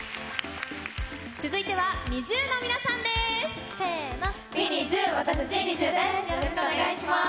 続いては、ＮｉｚｉＵの皆さんです。